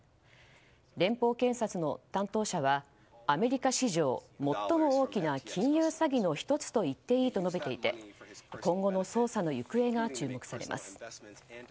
連邦検察の担当者はアメリカ史上最も大きな金融詐欺の１つといっていいと述べていて今後の捜査の行方が注目されます。